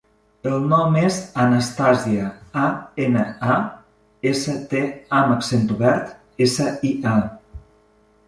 El nom és Anastàsia: a, ena, a, essa, te, a amb accent obert, essa, i, a.